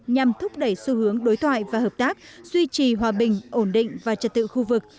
nhằm thúc đẩy xu hướng đối thoại và hợp tác duy trì hòa bình ổn định và trật tự khu vực